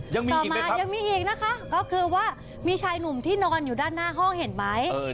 ต่อมายังมีอีกนะคะก็คือว่ามีชายหนุ่มที่นอนอยู่ด้านหน้าห้องเห็นไหม